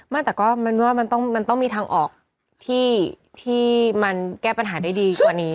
ไม่แต่ก็มันว่ามันต้องมีทางออกที่มันแก้ปัญหาได้ดีกว่านี้